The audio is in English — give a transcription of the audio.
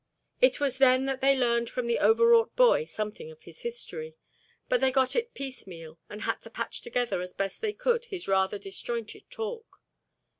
It was then that they learned from the overwrought boy something of his history, but they got it piecemeal and had to patch together as best they could his rather disjointed talk.